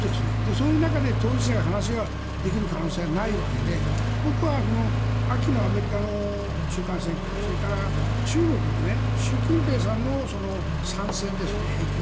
そういう中で当事者が話ができる可能性はないわけで僕は秋のアメリカの中間選挙それから中国の習近平さんの３選ですね。